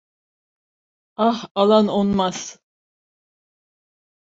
Ah alan onmaz.